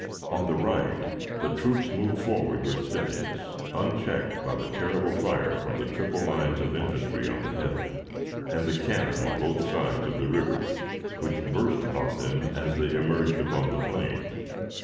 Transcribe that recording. On the right, the troops moved forward with steadiness, unchecked by the terrible fire from the triple lines of infantry on the hill, and the cannon on both sides of the river, which burst upon them as they emerged upon the plain.